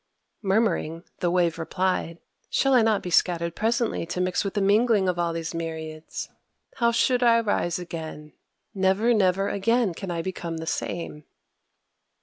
Murmuring, the Wave replied: "Shall I not be scattered presently to mix with the mingling of all these myriads? How should I rise again? Never, never again can I become the same."